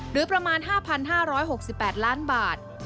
หรือประมาณ๕๕๖๘ล้านบาท